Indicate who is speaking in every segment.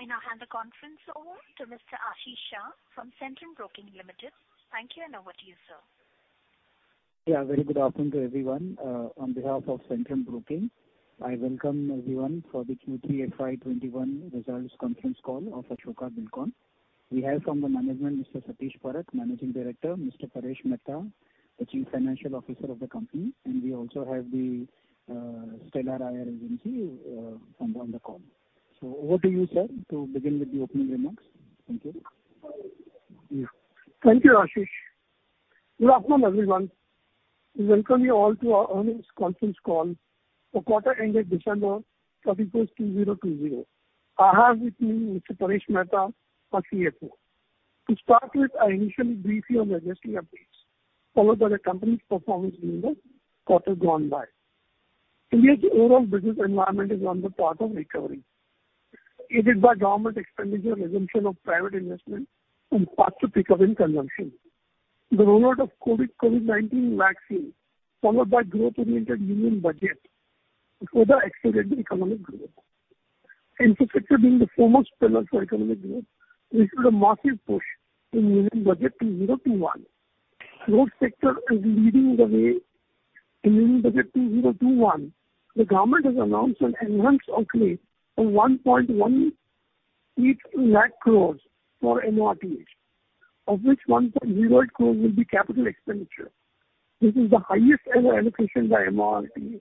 Speaker 1: I now hand the conference over to Mr. Ashish Shah from Centrum Broking Limited. Thank you, and over to you, sir.
Speaker 2: Yeah, very good afternoon to everyone. On behalf of Centrum Broking, I welcome everyone for the Q3 FY21 results conference call of Ashoka Buildcon. We have from the management, Mr. Satish Parakh, Managing Director, Mr. Paresh Mehta, the Chief Financial Officer of the company, and we also have the, Stellar IR Agency, from on the call. So over to you, sir, to begin with the opening remarks. Thank you.
Speaker 3: Thank you, Ashish. Good afternoon, everyone. We welcome you all to our earnings conference call for quarter ending December 31st, 2020. I have with me Mr. Paresh Mehta, our CFO. To start with, I initially brief you on the industry updates, followed by the company's performance in the quarter gone by. India's overall business environment is on the path of recovery, aided by government expenditure and resumption of private investment and faster pickup in consumption. The rollout of COVID, COVID-19 vaccine, followed by growth-oriented Union Budget, will further accelerate the economic growth. Infrastructure being the foremost pillar for economic growth, received a massive push in Union Budget 2021. Road sector is leading the way in Union Budget 2021. The government has announced an enhanced outlay of 118,000 crore for MoRTH, of which 108,000 crore will be capital expenditure. This is the highest ever allocation by MoRTH,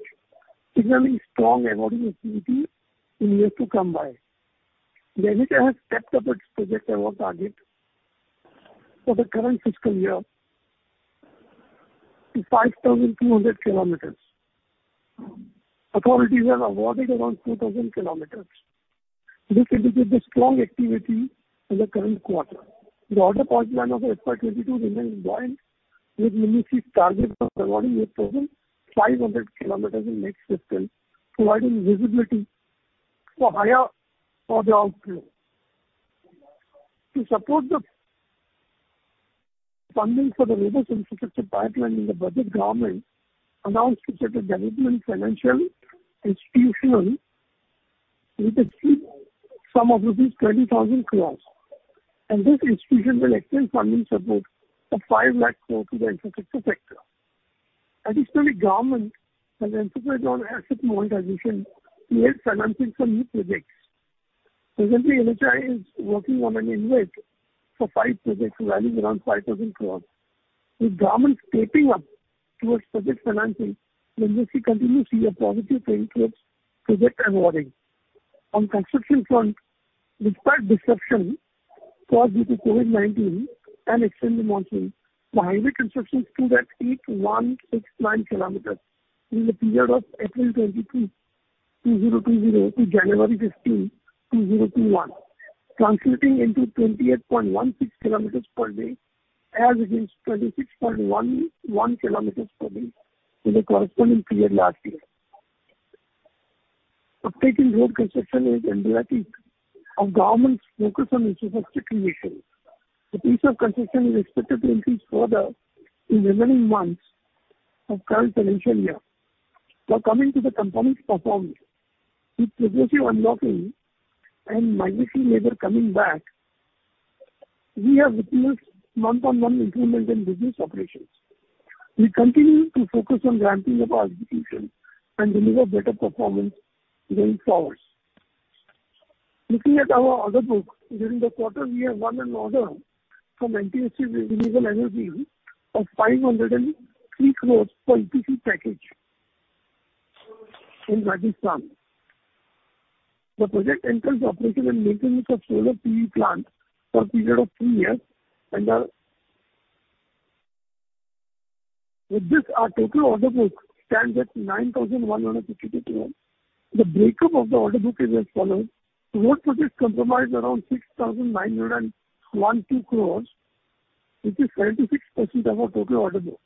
Speaker 3: signaling strong award activity in years to come. NHAI has stepped up its project award target for the current fiscal year to 5,200 kilometers. Authorities have awarded around 2,000 kilometers. This indicates a strong activity in the current quarter. The order pipeline of FY22 remains buoyant, with NHAI targeting for awarding 8,500 kilometers in next fiscal, providing visibility for higher order outflow. To support the funding for the robust infrastructure pipeline in the budget, government announced to set a Development Financial Institution with a seed sum of 30,000 crore, and this institution will extend funding support of 500,000 crore to the infrastructure sector. Additionally, government has emphasized on asset monetization to raise financing for new projects. Presently, NHAI is working on an InvIT for five projects valued around 5,000 crore. With government stepping up towards project financing, we may see continuously a positive trend towards project awarding. On construction front, despite disruption caused due to COVID-19 and extreme monsoon, the highway construction stood at 8,169 km in the period of April 23, 2020 to January 15, 2021, translating into 28.16 km per day as against 26.11 km per day in the corresponding period last year. Uptaking road construction is indicative of government's focus on infrastructure creation. The pace of construction is expected to increase further in remaining months of current financial year. Now coming to the company's performance. With progressive unlocking and migratory labor coming back, we have witnessed month-on-month improvement in business operations. We continue to focus on ramping up our execution and deliver better performance going forward. Looking at our order book, during the quarter, we have won an order from NTPC Renewable Energy of 503 crores for EPC package in Rajasthan. The project entails operation and maintenance of solar PV plant for a period of three years, and, with this, our total order book stands at 9,152 crores. The breakup of the order book is as follows: Road projects comprise around 6,912 crores, which is 76% of our total order book.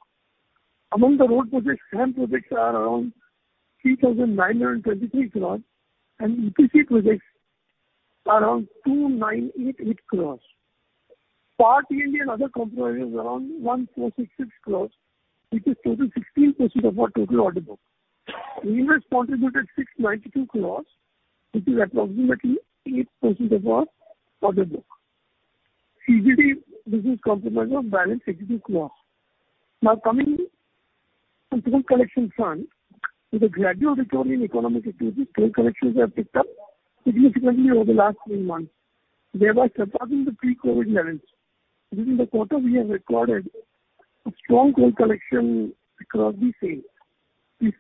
Speaker 3: Among the road projects, HAM projects are around 3,923 crores, and EPC projects are around 2,988 crores. Third party and other comprises around 1,466 crores, which is 13.16% of our total order book. Railways contributed 692 crores, which is approximately 8% of our order book. CGD, this is comprised of balance INR 62 crores. Now coming to collection front, with a gradual return in economic activities, train collections have picked up significantly over the last three months, thereby surpassing the pre-COVID levels. During the quarter, we have recorded a strong toll collection across the state. If,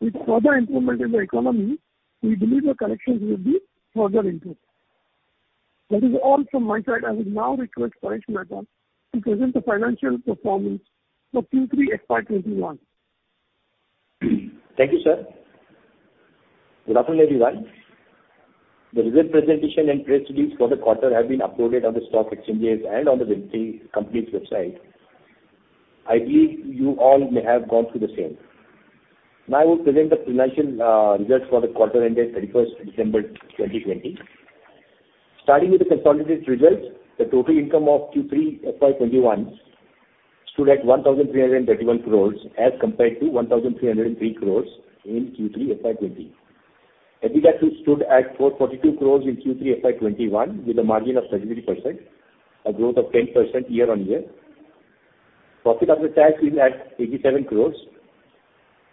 Speaker 3: with further improvement in the economy, we believe the collections will be further improved. That is all from my side. I would now request Paresh Mehta to present the financial performance for Q3 FY21.
Speaker 4: Thank you, sir. Good afternoon, everyone. The result presentation and press release for the quarter have been uploaded on the stock exchanges and on the company's website. I believe you all may have gone through the same. Now I will present the financial results for the quarter ended 31 December 2020. Starting with the consolidated results, the total income of Q3 FY21 stood at 1,331 crores as compared to 1,303 crores in Q3 FY20. EBITDA stood at 442 crores in Q3 FY21, with a margin of 33%, a growth of 10% year-on-year. Profit after tax is at 87 crores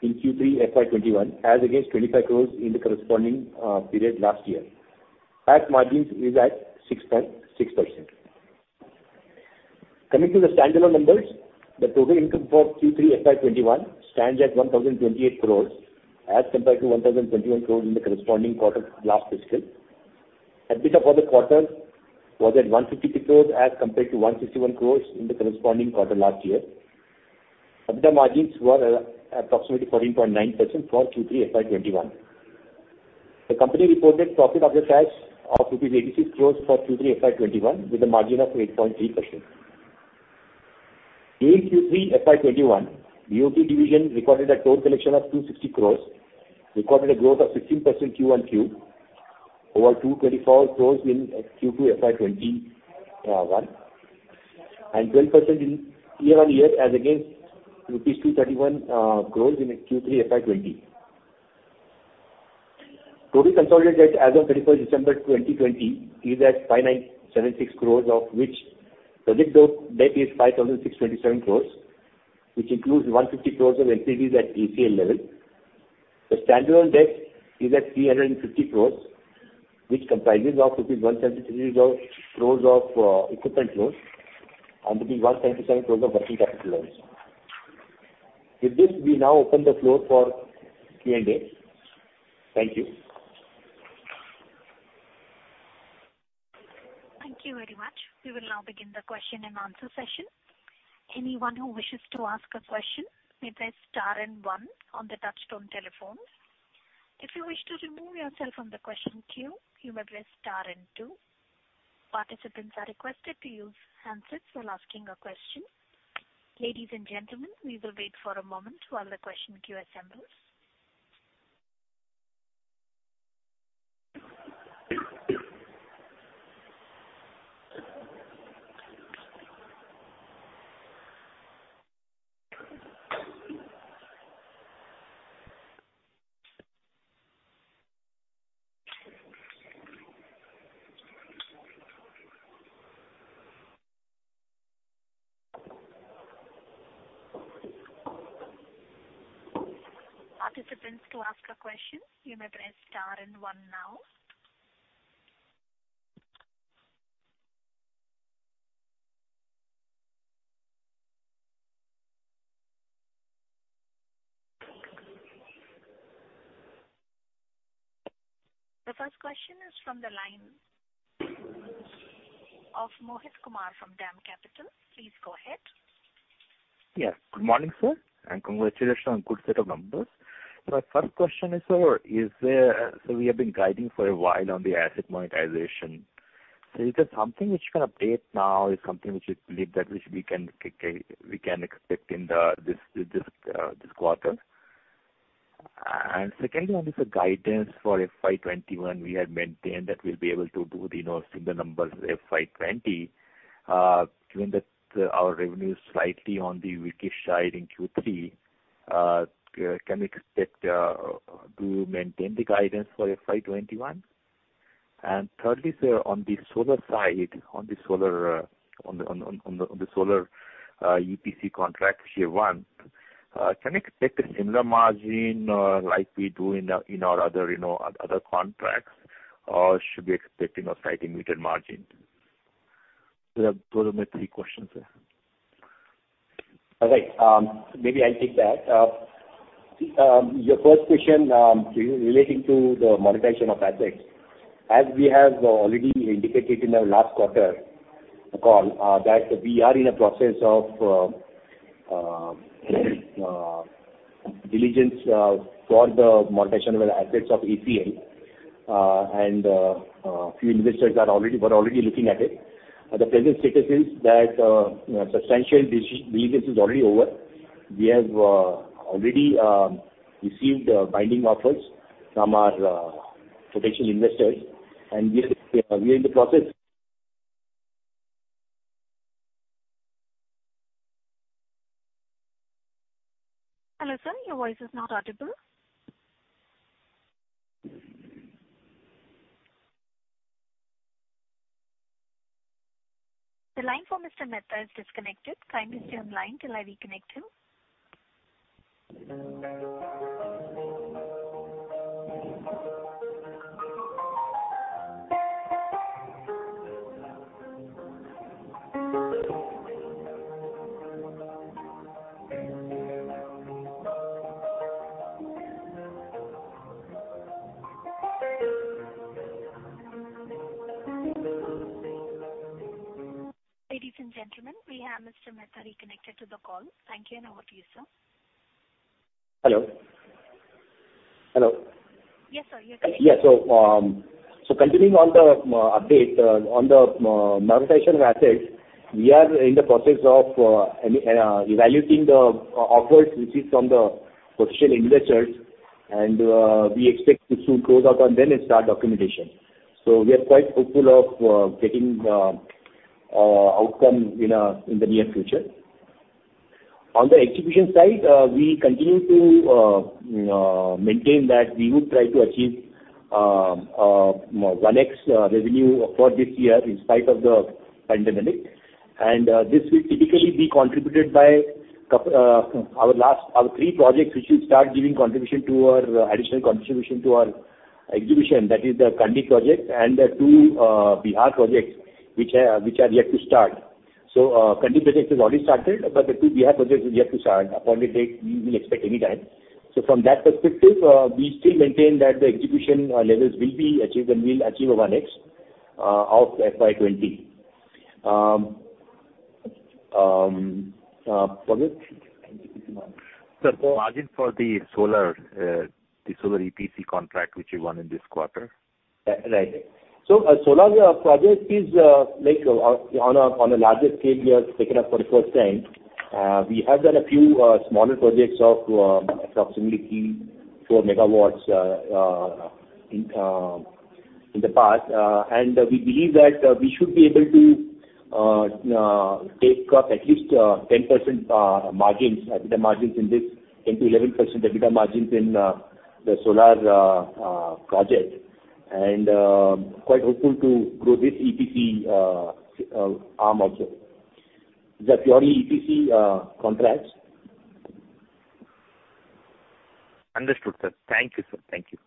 Speaker 4: in Q3 FY21, as against 25 crores in the corresponding period last year. Tax margins is at 6.6%. Coming to the standalone numbers, the total income for Q3 FY21 stands at 1,028 crores as compared to 1,021 crores in the corresponding quarter last fiscal. EBITDA for the quarter was at 152 crores as compared to 161 crores in the corresponding quarter last year. EBITDA margins were approximately 14.9% for Q3 FY21. The company reported profit after tax of INR 86 crores for Q3 FY21, with a margin of 8.3%. In Q3 FY21, the OP division recorded a total collection of 260 crores, recorded a growth of 16% Q-on-Q, over 224 crores in Q2 FY21, and 12% year-on-year as against rupees 231 crores in Q3 FY20. Total consolidated as of 31st December 2020, is at 5,976 crores, of which project debt is 5,627 crores, which includes 150 crores of NCDs at ACL level. The standalone debt is at 350 crores, which comprises of rupees 173 crores of equipment loans and rupees 177 crores of working capital loans. With this, we now open the floor for Q&A. Thank you.
Speaker 1: Thank you very much. We will now begin the question and answer session. Anyone who wishes to ask a question, may press star and one on the touchtone telephones. If you wish to remove yourself from the question queue, you may press star and two. Participants are requested to use handsets while asking a question. Ladies and gentlemen, we will wait for a moment while the question queue assembles. Participants, to ask a question, you may press star and one now. The first question is from the line of Mohit Kumar from DAM Capital. Please go ahead.
Speaker 5: Yes. Good morning, sir, and congratulations on good set of numbers. My first question is, sir, so we have been guiding for a while on the asset monetization. So is there something which you can update now? Is something which you believe that, which we can, we can expect in the, this quarter? And secondly, on the guidance for FY21, we had maintained that we'll be able to do the, you know, similar numbers as FY20. Given that our revenue is slightly on the weaker side in Q3, can we expect to maintain the guidance for FY21?And thirdly, sir, on the solar side, on the solar EPC contract Tier-One, can we expect a similar margin, like we do in our other, you know, other contracts, or should we expect, you know, slightly weaker margin? Those are my three questions, sir.
Speaker 4: All right. Maybe I'll take that. Your first question relating to the monetization of assets. As we have already indicated in the last quarter call, that we are in a process of diligence for the monetization of the assets of ACL. And a few investors are already- were already looking at it. The present status is that substantial diligence is already over. We have already received binding offers from our potential investors, and we are, we are in the process-
Speaker 1: Hello, sir, your voice is not audible. The line for Mr. Mehta is disconnected. Kindly stay on line till I reconnect him. Ladies and gentlemen, we have Mr. Mehta reconnected to the call. Thank you, and over to you, sir.
Speaker 4: Hello? Hello.
Speaker 1: Yes, sir, you're coming-
Speaker 4: Yes. So continuing on the update on the monetization of assets, we are in the process of evaluating the offers received from the potential investors... and we expect to soon close out on them and start documentation. So we are quite hopeful of getting outcome in the near future. On the execution side, we continue to maintain that we would try to achieve 1x revenue for this year in spite of the pandemic. And this will typically be contributed by our last three projects, which will start giving contribution to our additional contribution to our execution. That is the Kandi project and the two Bihar projects, which are yet to start. So, Kandi project has already started, but the two Bihar projects are yet to start. Appointed date, we will expect any time. So from that perspective, we still maintain that the execution levels will be achieved and we'll achieve over next of FY 20. Paresh?
Speaker 5: Sir, margin for the solar, the solar EPC contract, which you won in this quarter?
Speaker 4: Right. So solar project is, like on a larger scale, we have taken up for the first time. We have done a few smaller projects of approximately 4 MW in the past, and we believe that we should be able to take up at least 10% margins, EBITDA margins in this, 10%-11% EBITDA margins in the solar project, and quite hopeful to grow this EPC arm also. The pure EPC contracts.
Speaker 5: Understood, sir. Thank you, sir. Thank you.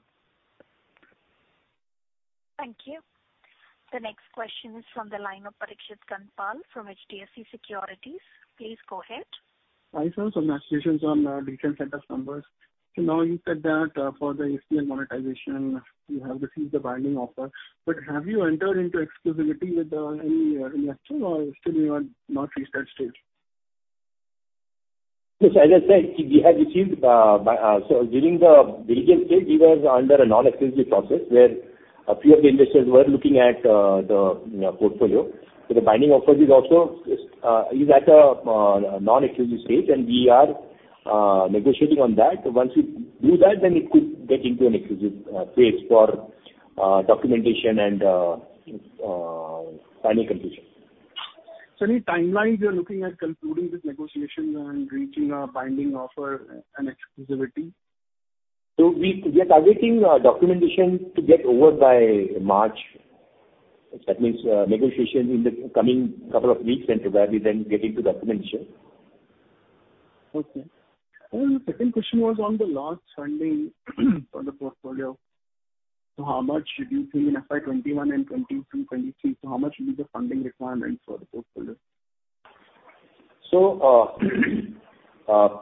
Speaker 1: Thank you. The next question is from the line of Parikshit Kandpal from HDFC Securities. Please go ahead.
Speaker 6: Hi, sir, some questions on recent set of numbers. So now you said that for the ACL monetization, you have received the binding offer, but have you entered into exclusivity with any investor or still you are not research stage?
Speaker 4: Yes, as I said, we have received. So during the diligence stage, we were under a non-exclusive process, where a few of the investors were looking at the portfolio. So the binding offer is also at a non-exclusive stage, and we are negotiating on that. Once we do that, then it could get into an exclusive phase for documentation and final conclusion.
Speaker 6: Any timelines you're looking at concluding this negotiation and reaching a binding offer and exclusivity?
Speaker 4: So we are targeting documentation to get over by March. That means negotiation in the coming couple of weeks, and probably then get into documentation.
Speaker 6: Okay. The second question was on the last funding for the portfolio. So how much should you see in FY21 and 2022, 2023? So how much will be the funding requirements for the portfolio?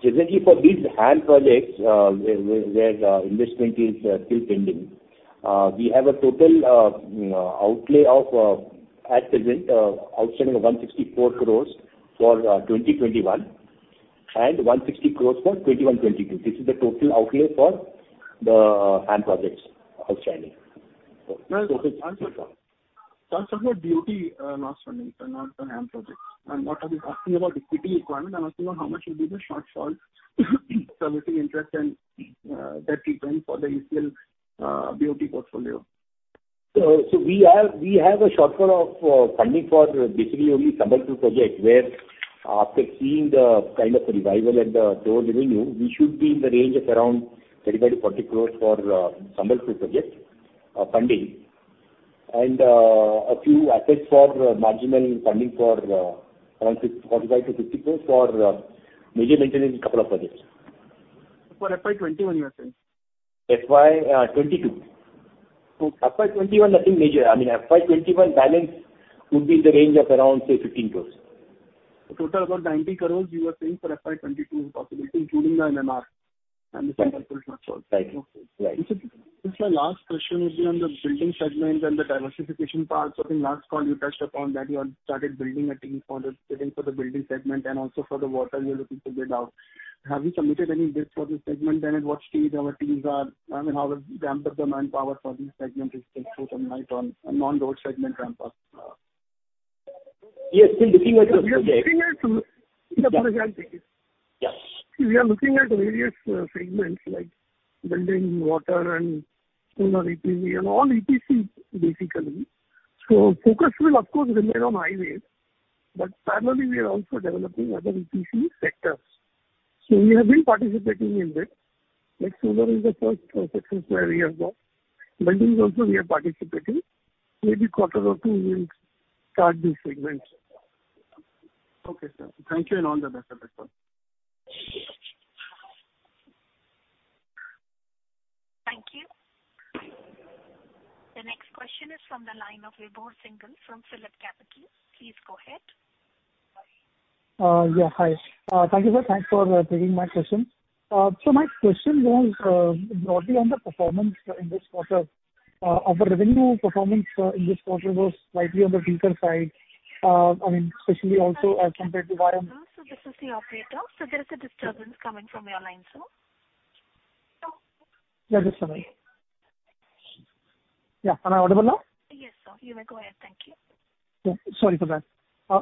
Speaker 4: Generally for these HAM projects, where investment is still pending, we have a total outlay of, at present, outstanding of 164 crore for 2021, and 160 crore for 2021-2022. This is the total outlay for the HAM projects outstanding.
Speaker 6: Sir, for BOT last funding, sir, not the HAM projects. I'm not asking about equity requirement. I'm asking about how much will be the shortfall servicing interest and debt repayment for the ACL BOT portfolio?
Speaker 4: So we have a shortfall of funding for basically only Sambalpur-Bargarh project, where after seeing the kind of revival at the toll revenue, we should be in the range of around 30 crore-40 crore for Sambalpur-Bargarh project funding. And a few assets for marginal funding for around 645 crore-50 crore for major maintenance couple of projects.
Speaker 6: For FY21, you are saying?
Speaker 4: FY22.
Speaker 6: Okay.
Speaker 4: FY21, nothing major. I mean, FY21 balance would be in the range of around, say, 15 crores.
Speaker 6: Total about 90 crores you are saying for FY 2022 possibility, including the MMR and the Sambalpur-Bargarh shortfall?
Speaker 4: Right. Right.
Speaker 6: Sir, my last question would be on the building segment and the diversification part. So in last call, you touched upon that you all started building a team for the building segment and also for the water you're looking to build out. Have you submitted any bids for this segment? And at what stage our teams are? I mean, how the manpower for this segment is still tuning up on a non-road segment ramp-up?
Speaker 4: We are still looking at the project.
Speaker 3: We are looking at-
Speaker 4: Yeah.
Speaker 3: Yeah, go ahead, please.
Speaker 4: Yeah.
Speaker 3: We are looking at various segments like building, water, and solar PV and all EPC, basically. So focus will of course remain on highways, but currently we are also developing other EPC sectors. So we have been participating in this. Like solar is the first sector where we have got. Building also we are participating. Maybe quarter or two, we will start this segment.
Speaker 6: Okay, sir. Thank you and all the best.
Speaker 1: Thank you. The next question is from the line of Vibhor Singhal from PhillipCapital. Please go ahead.
Speaker 7: Yeah, hi. Thank you, sir. Thanks for taking my question. So my question was, broadly on the performance in this quarter. Our revenue performance in this quarter was slightly on the weaker side. I mean, especially also as compared to Y-on-
Speaker 1: Sir, this is the operator. There is a disturbance coming from your line, sir.
Speaker 7: Yeah, just a minute. Yeah, am I audible now?
Speaker 1: Yes, sir, you may go ahead. Thank you.
Speaker 7: Yeah. Sorry for that.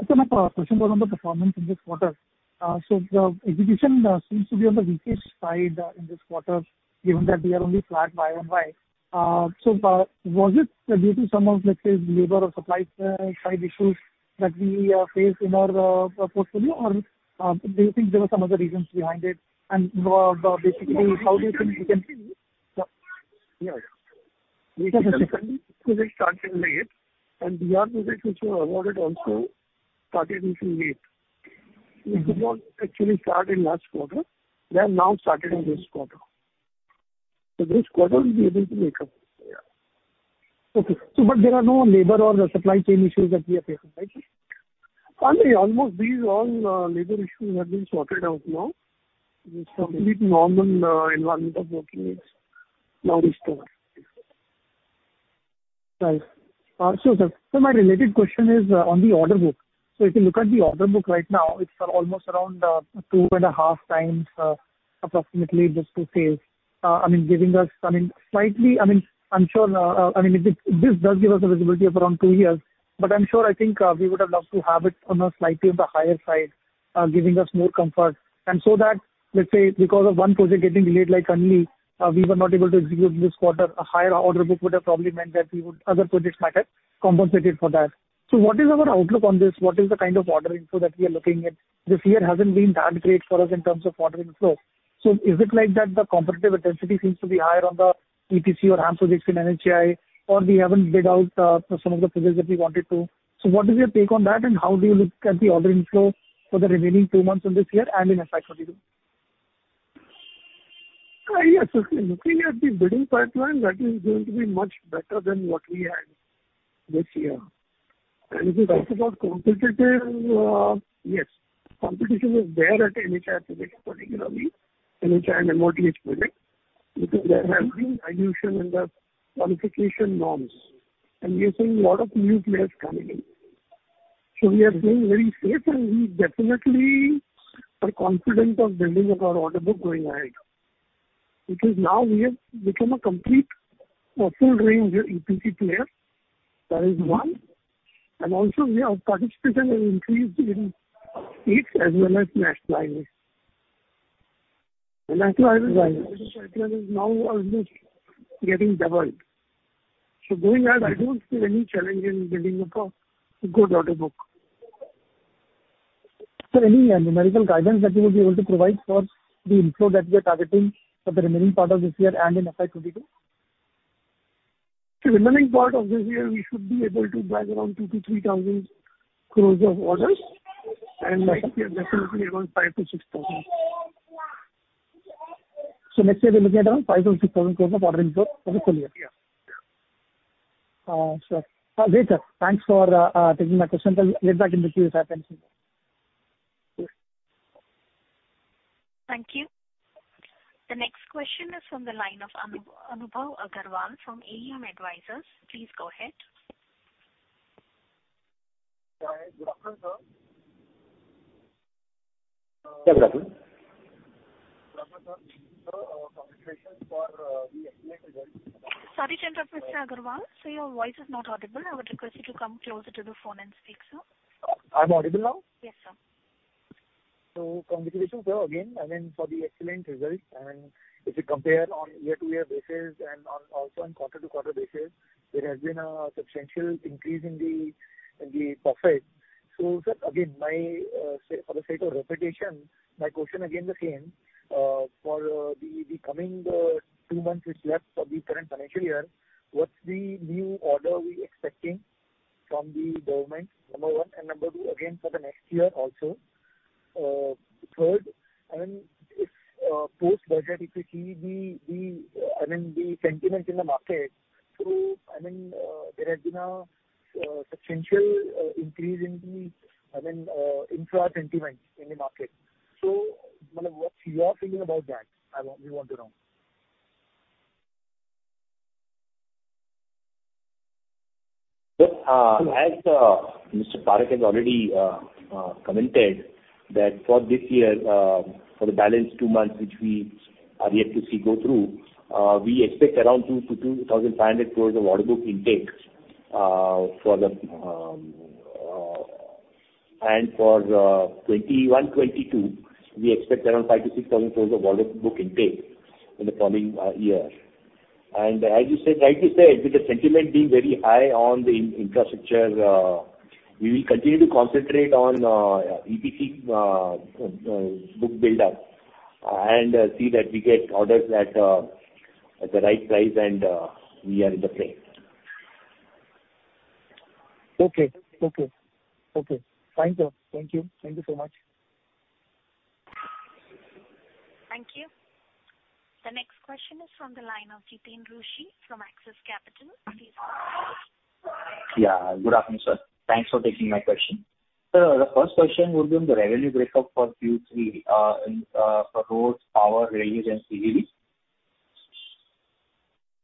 Speaker 7: So my question was on the performance in this quarter. So the execution seems to be on the weakest side in this quarter, given that we are only flat Y on Y. So, was it due to some of, let's say, labor or supply side issues that we faced in our portfolio? Or, do you think there were some other reasons behind it? And, basically, how do you think you can-
Speaker 3: Yeah, yeah.
Speaker 7: Okay.
Speaker 3: Project started late, and the other projects which were awarded also started little late. We did not actually start in last quarter. They have now started in this quarter. So this quarter, we'll be able to make up, yeah.
Speaker 7: Okay. So but there are no labor or supply chain issues that we are facing, right?
Speaker 3: Currently, almost all these labor issues have been sorted out now. It's completely normal working environment now is there.
Speaker 7: Right. So, sir, so my related question is on the order book. So if you look at the order book right now, it's almost around 2.5 times approximately this two phase. I mean, giving us, I mean, slightly, I mean, I'm sure, I mean, this, this does give us a visibility of around two years. But I'm sure I think we would have loved to have it on a slightly the higher side giving us more comfort. So that, let's say, because of one project getting delayed, like only we were not able to execute this quarter, a higher order book would have probably meant that we would other projects might have compensated for that. So what is our outlook on this? What is the kind of ordering so that we are looking at? This year hasn't been that great for us in terms of order inflow. So is it like that the competitive intensity seems to be higher on the EPC or HAM projects in NHAI, or we haven't bid out some of the projects that we wanted to? So what is your take on that, and how do you look at the order inflow for the remaining two months of this year and in FY22?
Speaker 3: Yes, looking at the bidding pipeline, that is going to be much better than what we had this year. If you ask about competitive, yes, competition is there at NHAI projects, particularly NHAI and MoRTH projects, because they're having relaxation in the qualification norms, and we are seeing a lot of new players coming in. We are being very safe, and we definitely are confident of building up our order book going ahead. Because now we have become a complete, a full range EPC player. That is one. Also, we have participation has increased in it as well as national highways. The national highway-
Speaker 7: Right.
Speaker 3: Pipeline is now almost getting doubled. So going ahead, I don't see any challenge in building up a good order book.
Speaker 7: Any numerical guidance that you would be able to provide for the inflow that we are targeting for the remaining part of this year and in FY 2022?
Speaker 3: The remaining part of this year, we should be able to bag around 2,000-3,000 crore of orders, and next year, definitely around 5,000-6,000 crore.
Speaker 7: Next year, we're looking at around 5,000-6,000 crores of order inflow for this full year?
Speaker 3: Yeah. Yeah.
Speaker 7: Sure. Great, sir. Thanks for taking my question. I'll get back in the queue if I can.
Speaker 1: Thank you. The next question is from the line of Anubhav Agarwal from AUM Advisors. Please go ahead.
Speaker 8: Hi. Good afternoon, sir.
Speaker 4: Good afternoon.
Speaker 8: Sir, congratulations for the excellent results.
Speaker 1: Sorry to interrupt, Mr. Agarwal. So your voice is not audible. I would request you to come closer to the phone and speak, sir.
Speaker 8: I'm audible now?
Speaker 1: Yes, sir.
Speaker 8: So congratulations, sir, again, I mean, for the excellent results. And if you compare on year-to-year basis and on, also on quarter-to-quarter basis, there has been a substantial increase in the, in the profit. So, sir, again, my, for the sake of repetition, my question again the same. For the, the coming, two months, which is left for the current financial year, what's the new order we expecting from the government, number one? And number two, again for the next year also. Third, and if, post-budget, if you see the, the, I mean, the sentiment in the market, so, I mean, there has been a, substantial, increase in the, I mean, infra sentiment in the market. So what's your feeling about that? I want, we want to know.
Speaker 4: Sir, as Mr. Paresh has already commented, that for this year, for the balance two months, which we are yet to see go through, we expect around 2,000-2,500 crore of order book intake for the. And for 2021, 2022, we expect around 5,000-6,000 crore of order book intake in the coming year. And as you said, like you said, with the sentiment being very high on the infrastructure, we will continue to concentrate on EPC book build-up, and see that we get orders at the right price, and we are in the play.
Speaker 8: Okay. Fine, sir. Thank you. Thank you so much.
Speaker 1: Thank you. The next question is from the line of Jiten Rushi from Axis Capital. Please go ahead.
Speaker 9: Yeah, good afternoon, sir. Thanks for taking my question. Sir, the first question would be on the revenue breakup for Q3 for roads, power, railways, and CEV.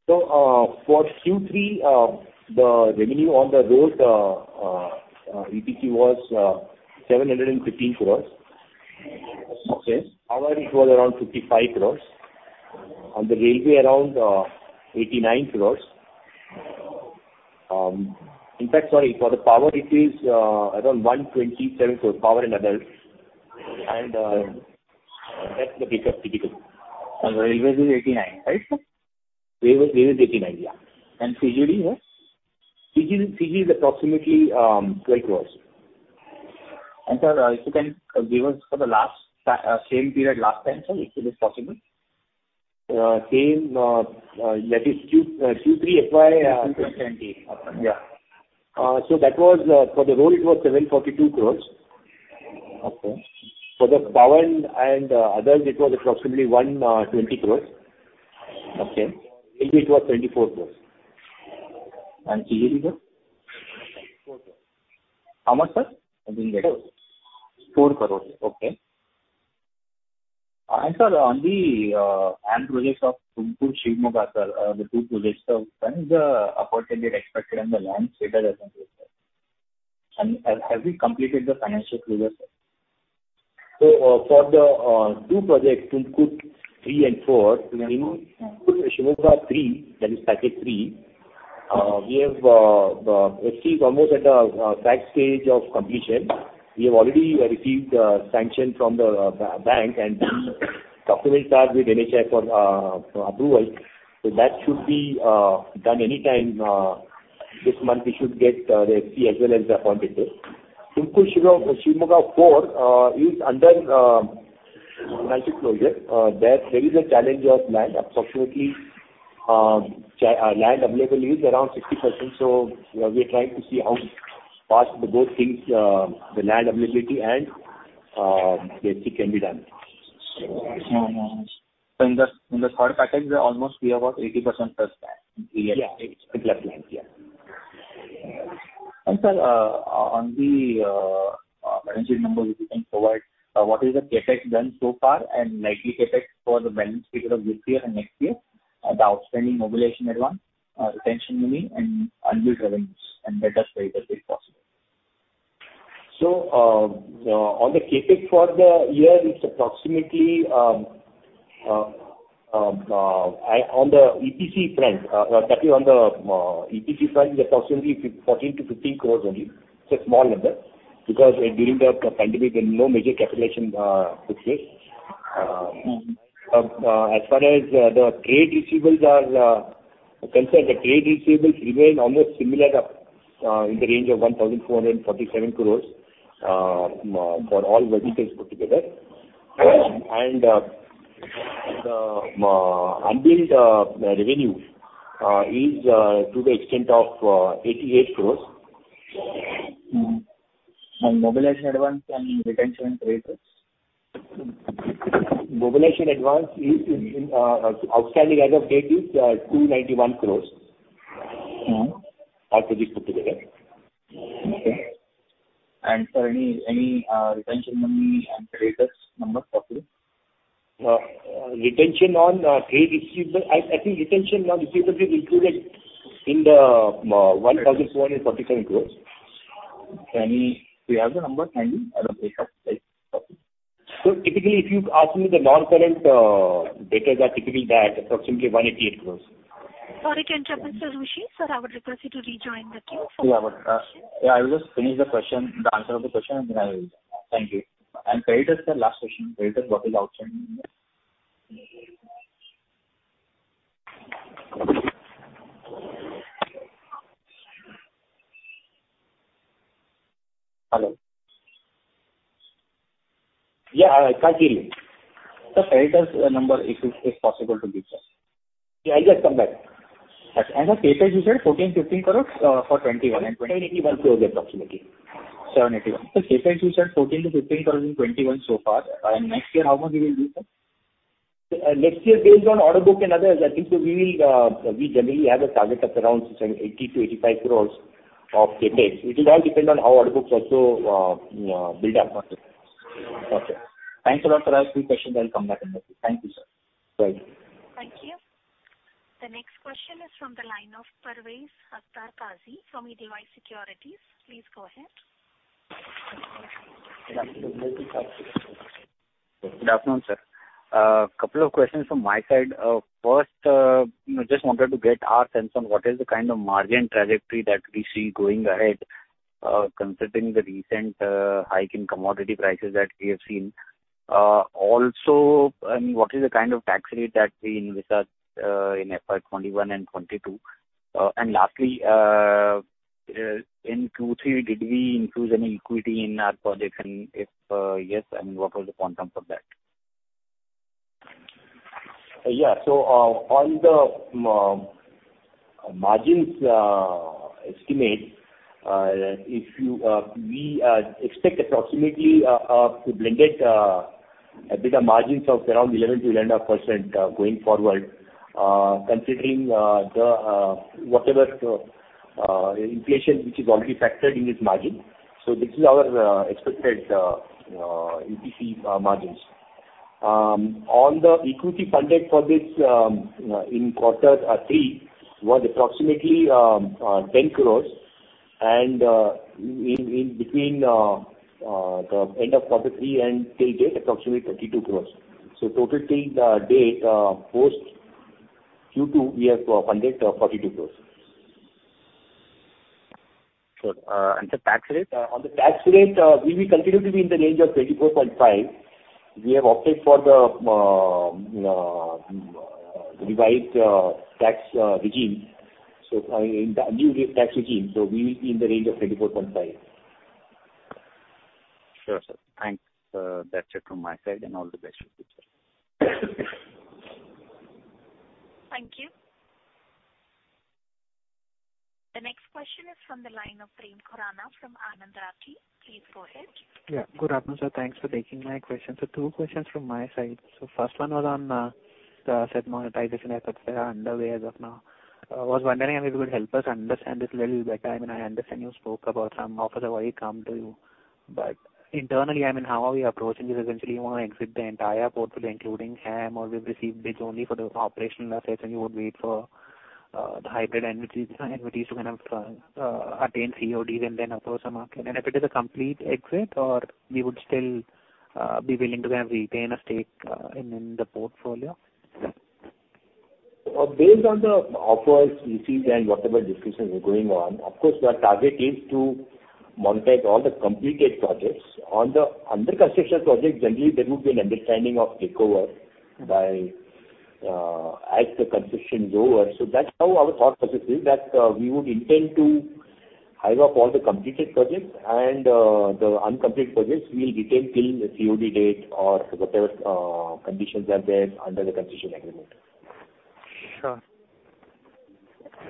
Speaker 4: For Q3, the revenue on the roads EPC was 715 crore. Okay. Power, it was around 55 crore. On the railway, around 89 crore. In fact, sorry, for the power it is around 127 crore, power and others, and that's the picture of CGD.
Speaker 9: The railways is 89, right, sir?
Speaker 4: Railways, railways 89, yeah.
Speaker 9: And CGD, yeah?
Speaker 4: CGD, CGD is approximately 12 crore.
Speaker 9: Sir, if you can give us for the last same period last time, sir, if it is possible?
Speaker 4: Same, that is Q3 FY-
Speaker 9: Q3 FY 2020, okay.
Speaker 4: Yeah. So that was, for the road it was 742 crore.
Speaker 9: Okay.
Speaker 4: For the power and others, it was approximately 120 crores.
Speaker 9: Okay.
Speaker 4: Railway, it was 24 crore.
Speaker 9: CGD, sir?
Speaker 4: 4 crore.
Speaker 9: How much, sir? I didn't get it.
Speaker 4: 4 crore, okay.
Speaker 9: Sir, on the HAM projects of Tumkur-Shimoga, sir, the two projects, sir, when is the opportunity expected on the land status as on date, sir? And have we completed the financial closure, sir?
Speaker 4: So, for the two projects, Tumkur three and four, and Shimoga three, that is package thre, we have the FC is almost at the final stage of completion. We have already received sanction from the bank, and we'll start documentation with NHAI for approval. So that should be done anytime this month, we should get the FC as well as the appointment. Tumkur-Shimoga four is under financial closure. There is a challenge of land. Approximately, land available is around 60%, so we are trying to see how fast both things, the land availability and the FC can be done.
Speaker 9: So in the third package, almost we have about 80% plus land available?
Speaker 4: Yeah, it's available land. Yeah.
Speaker 9: Sir, on the financial numbers, if you can provide what is the CapEx done so far, and likely CapEx for the balance figure of this year and next year, the outstanding mobilization advance, retention money, and unbilled revenues, and better specify if possible.
Speaker 4: On the CapEx for the year, it's approximately on the EPC front, particularly on the EPC front, it's approximately 14-15 crores only. It's a small number, because during the pandemic there was no major capitalization took place.
Speaker 9: Mm-hmm.
Speaker 4: As far as the trade receivables are concerned, the trade receivables remain almost similar in the range of 1,447 crores for all verticals put together. The unbilled revenue is to the extent of 88 crores.
Speaker 9: Mm-hmm. And mobilization advance and retention credits?
Speaker 4: Mobilization advance is outstanding as of date is 291 crore.
Speaker 9: Mm-hmm.
Speaker 4: All projects put together.
Speaker 9: Okay. And sir, any retention money and credits numbers possible?
Speaker 4: Retention on trade receivables, I think retention on receivables is included in the 1,447 crore.
Speaker 9: Can we, do you have the number handy? I don't think so.
Speaker 4: Typically, if you ask me, the non-current debtors are typically that, approximately INR 188 crores.
Speaker 1: Sorry to interrupt, Mr. Rushi. Sir, I would request you to rejoin the queue for your question.
Speaker 9: Yeah, I will just finish the question, the answer of the question, and then I will. Thank you. And credits, sir, last question, credits, what is the outstanding? Hello.
Speaker 4: Yeah, I hear you.
Speaker 9: Sir, credits, number, if it is possible to give, sir.
Speaker 4: Yeah, I just come back.
Speaker 9: The CapEx, you said 14-15 crore for 2021 and 2022?
Speaker 4: 781 crores, approximately.
Speaker 9: INR 781 crores. So CapEx, you said 14-15 crores in 2021 so far, and next year, how much it will be, sir?
Speaker 4: Next year, based on order book and others, I think we will, we generally have a target of around 70 crore-85 crore of CapEx. It will all depend on how order books also, build up for us.
Speaker 9: Okay. Thanks a lot, sir. I have few questions, I will come back and ask you. Thank you, sir.
Speaker 4: Thank you.
Speaker 1: Thank you. The next question is from the line of Parvez Akhtar Qazi from Edelweiss Securities. Please go ahead.
Speaker 10: Good afternoon, sir. Couple of questions from my side. First, just wanted to get our sense on what is the kind of margin trajectory that we see going ahead, considering the recent hike in commodity prices that we have seen. Also, and what is the kind of tax rate that we envisage in FY 2021 and 2022? And lastly, in Q3, did we include any equity in our projects, and if yes, then what was the quantum for that?
Speaker 4: Yeah. So, on the margins estimate, we expect approximately 10 blended better margins of around 11%-11.5% going forward, considering the whatever inflation, which is already factored in this margin. So this is our expected EPC margins. On the equity funded projects, in quarter three, was approximately 10 crore. In between the end of quarter three and till date, approximately 22 crore. So total till the date post Q2, we have funded 42 crore.
Speaker 10: Sure. And the tax rate?
Speaker 4: On the tax rate, we will continue to be in the range of 24.5%. We have opted for the revised tax regime, so in the new tax regime, so we will be in the range of 24.5%.
Speaker 10: Sure, sir. Thanks. That's it from my side, and all the best for the future.
Speaker 1: Thank you. The next question is from the line of Prem Khurana from Anand Rathi. Please go ahead.
Speaker 11: Yeah. Good afternoon, sir. Thanks for taking my question. So two questions from my side. So first one was on the asset monetization efforts that are underway as of now. Was wondering if you could help us understand this a little better. I mean, I understand you spoke about some offers have already come to you, but internally, I mean, how are we approaching this? Essentially, you want to exit the entire portfolio, including HAM, or we've received bids only for the operational assets, and you would wait for the hybrid entities to kind of attain CODs and then approach the market. And if it is a complete exit, or we would still be willing to kind of retain a stake in the portfolio?
Speaker 4: Based on the offers we received and whatever discussions are going on, of course, our target is to monetize all the completed projects. On the under construction projects, generally, there would be an understanding of takeover by, as the construction is over. So that's how our thought process is, that, we would intend to hive off all the completed projects, and, the uncompleted projects, we will retain till the COD date or whatever, conditions are there under the construction agreement.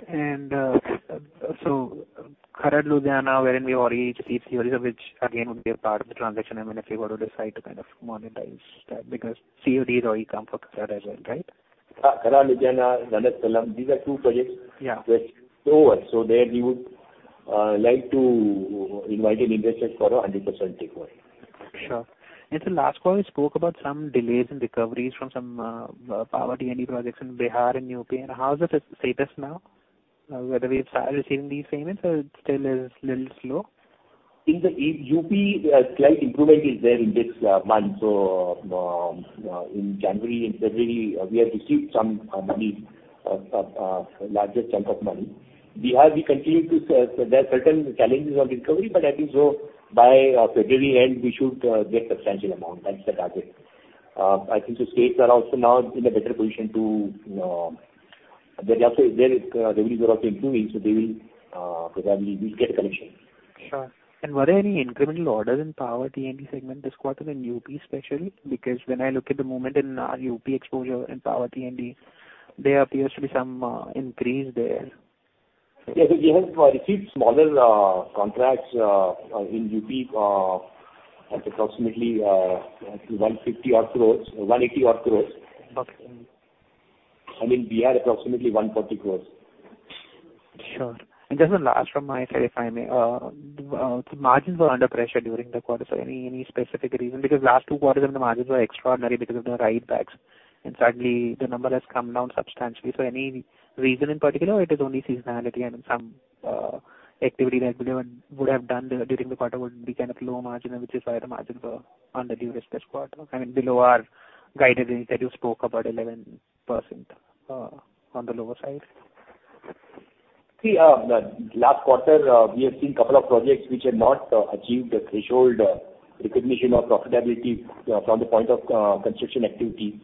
Speaker 11: Sure. So Kharar-Ludhiana, wherein we already received COD, which again would be a part of the transaction, I mean, if you were to decide to kind of monetize that, because COD has already come for Kharar as well, right?
Speaker 4: Kharar-Ludhiana, Ranastalam-Anandapuram, these are two projects-
Speaker 11: Yeah.
Speaker 4: -which over, so there we would like to invite an investor for a 100% takeover.
Speaker 11: Sure. So last quarter, we spoke about some delays in recoveries from some power T&D projects in Bihar and UP. And how is the status now? Whether we have started receiving these payments or it still is a little slow?
Speaker 4: In the UP, a slight improvement is there in this month. So, in January and February, we have received some money, larger chunk of money. Bihar, we continue to say there are certain challenges on recovery, but I think so by February end, we should get substantial amount. That's the target. I think the states are also now in a better position to, they're also there, revenue are also improving, so they will probably we'll get the collection.
Speaker 11: Sure. And were there any incremental orders in power T&D segment this quarter in UP especially? Because when I look at the moment in our UP exposure in power T&D, there appears to be some increase there.
Speaker 4: Yes, we have received smaller contracts in UP at approximately 150 odd crores, 180 odd crores.
Speaker 11: Okay.
Speaker 4: I mean, we are approximately 140 crores.
Speaker 11: Sure. Just the last from my side, if I may. So margins were under pressure during the quarter. So any specific reason? Because last two quarters, the margins were extraordinary because of the write-backs, and suddenly the number has come down substantially. So any reason in particular, or it is only seasonality and some activity that we would have done during the quarter would be kind of low margin, which is why the margins were under this quarter, I mean, below our guidance that you spoke about 11%, on the lower side?
Speaker 4: See, the last quarter, we have seen a couple of projects which have not achieved the threshold recognition of profitability from the point of construction activity.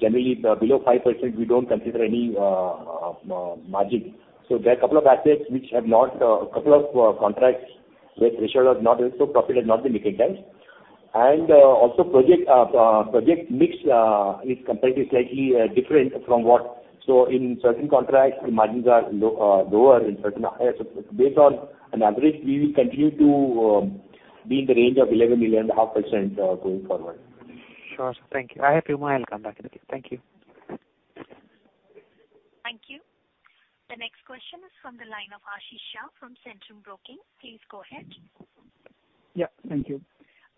Speaker 4: Generally, below 5%, we don't consider any margin. So there are a couple of assets which have not a couple of contracts where threshold has not, so profit has not been recognized. And also project mix is comparatively slightly different from what... So in certain contracts, the margins are lower, in certain higher. So based on an average, we will continue to be in the range of 11.5% going forward.
Speaker 11: Sure, sir. Thank you. I have few more, I will come back in again. Thank you.
Speaker 1: Thank you. The next question is from the line of Ashish Shah from Centrum Broking. Please go ahead.
Speaker 2: Yeah, thank you.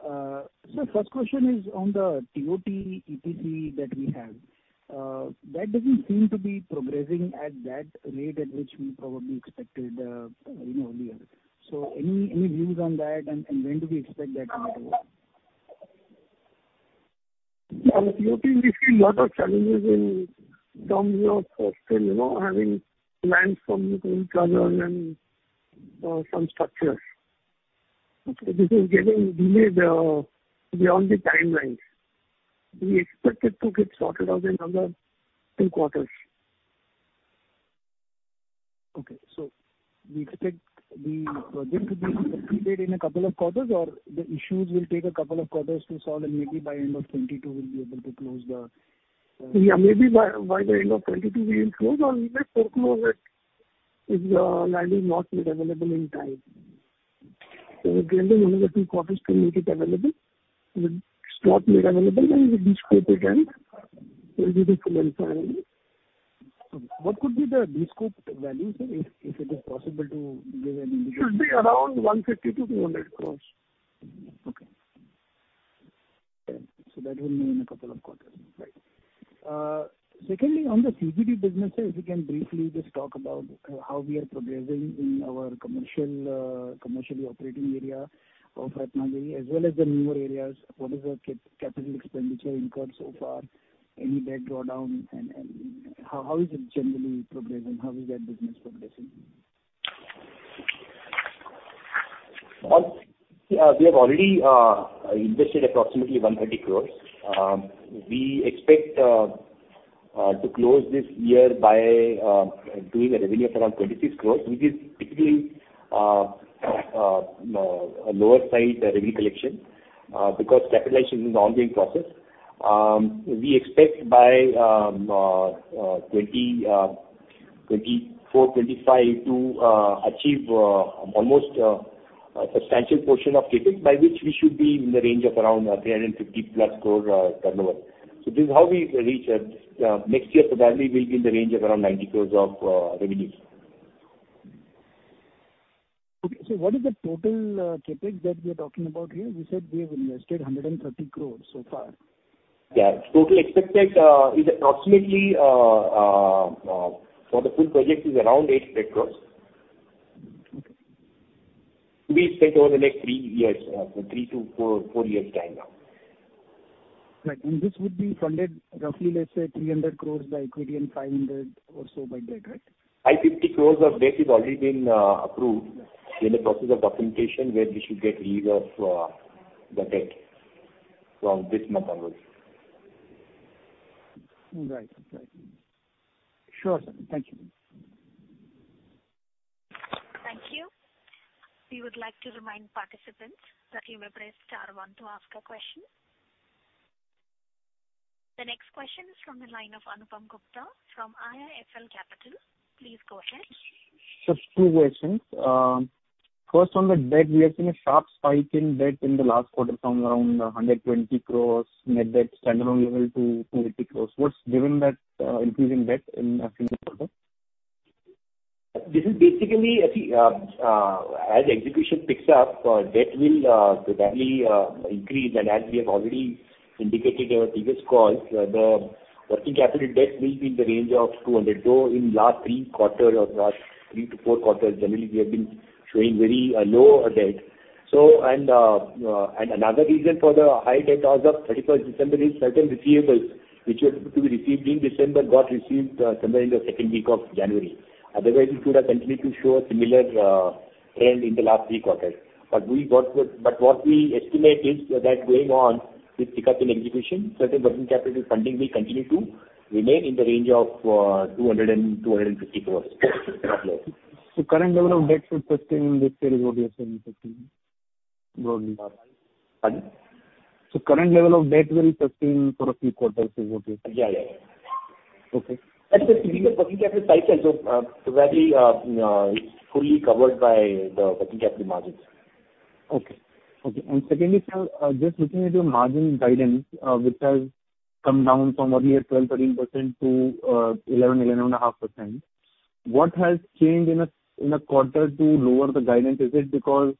Speaker 2: So first question is on the TOT EPC that we have. That doesn't seem to be progressing at that rate at which we probably expected, you know, earlier. So any views on that, and when do we expect that to happen?
Speaker 3: Yeah, TOT, we see a lot of challenges in terms of still, you know, having lands from the travel and some structures. Okay, this is getting delayed beyond the timelines. We expect it to get sorted out in another two quarters.
Speaker 2: Okay, so we expect the project to be completed in a couple of quarters, or the issues will take a couple of quarters to solve, and maybe by end of 2022, we'll be able to close the...
Speaker 3: Yeah, maybe by the end of 2022, we will close or we may foreclose it, if the land is not made available in time. So generally, one of the two quarters can make it available. If it's not made available, then we descope it and it will be full entirely.
Speaker 2: What could be the descope value, sir, if it is possible to give an indication?
Speaker 3: It'll be around 150 crore-200 crore.
Speaker 2: Okay. So that will be in a couple of quarters, right? Secondly, on the CGD business, sir, if you can briefly just talk about how we are progressing in our commercially operating area of Ratnagiri, as well as the newer areas. What is the capital expenditure incurred so far? Any debt drawdown, and how is it generally progressing? How is that business progressing?
Speaker 4: We have already invested approximately 100 crores. We expect to close this year by doing a revenue of around 26 crores, which is typically a lower side revenue collection because capitalization is an ongoing process. We expect by 2024-2025 to achieve almost a substantial portion of CapEx, by which we should be in the range of around 350+ crores turnover. So this is how we reach next year's value will be in the range of around 90 crores of revenues.
Speaker 2: Okay. So what is the total CapEx that we are talking about here? You said we have invested 130 crore so far.
Speaker 4: Yeah. Total expected is approximately for the full project is around 800 crore.
Speaker 2: Okay.
Speaker 4: To be spent over the next three years, three to four, four years time now.
Speaker 2: Right. This would be funded roughly, let's say, 300 crores by equity and 500 or so by debt, right?
Speaker 4: 550 crore of debt has already been approved. We're in the process of documentation, where we should get release of the debt from this month onwards.
Speaker 2: Right. Right. Sure, sir. Thank you.
Speaker 1: Thank you. We would like to remind participants that you may press star one to ask a question. The next question is from the line of Anupam Gupta from IIFL Capital. Please go ahead.
Speaker 12: Just two questions. First, on the debt, we have seen a sharp spike in debt in the last quarter from around 120 crore, net debt standalone level to 200 crore. What's driven that increase in debt in the previous quarter?
Speaker 4: This is basically, I think, as execution picks up, debt will probably increase. As we have already indicated in our previous calls, the working capital debt will be in the range of 200 crore. In last three quarter or last three to four quarters, generally, we have been showing very low debt. So, and, and another reason for the high debt as of 31st December is certain receivables, which were to be received in December, got received, somewhere in the second week of January. Otherwise, it would have continued to show a similar trend in the last three quarters. But what we estimate is that going on with pick up in execution, certain working capital funding will continue to remain in the range of 200-250 crores.
Speaker 12: Current level of debt should sustain this year is what you're saying, 50 broadly?
Speaker 4: Pardon?
Speaker 12: So, current level of debt will sustain for a few quarters is what you're-
Speaker 4: Yeah, yeah.
Speaker 12: Okay.
Speaker 4: The working capital cycle, so, so that is, fully covered by the working capital margins.
Speaker 12: Okay. Okay, and secondly, sir, just looking at your margin guidance, which has come down from earlier 12%-13% to 11%-11.5%. What has changed in a quarter to lower the guidance? Is it because